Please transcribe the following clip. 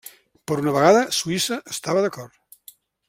Per una vegada, Suïssa estava d'acord.